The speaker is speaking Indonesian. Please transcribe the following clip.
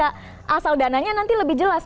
asal dananya nanti lebih jelas